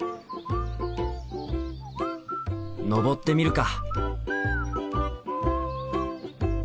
登ってみるか！